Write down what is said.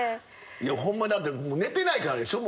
いやホンマだって寝てないからでしょ？